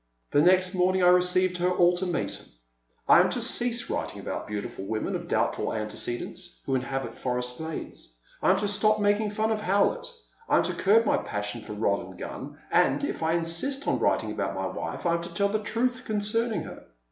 The next morning I received her ultimatum ; I am to cease writing about beautiful women of doubtful antecedents who inhabit forest glades, I am to stop making fun of Howlett, I am to curb my passion for rod and gun, and, if I insist on writing about my wife» I am to tell the truth concerning her.